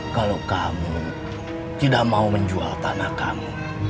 kalau kamu tidak mau menjual tanah kami